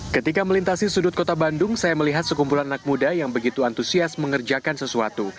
ketika melintasi sudut kota bandung saya melihat sekumpulan anak muda yang begitu antusias mengerjakan sesuatu